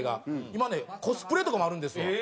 今ね「コスプレ」とかもあるんですわ。